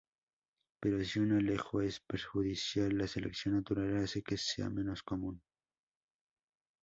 Pero si un alelo es perjudicial, la selección natural hace que sea menos común.